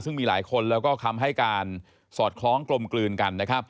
ซึ่งมีหลายคนแล้วก็คำให้การสอดคล้องกลมกลืนกันนะครับ